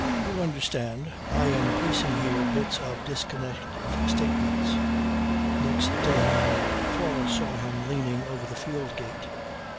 You understand I am piecing here bits of disconnected statements. Next day Flora saw him leaning over the field gate.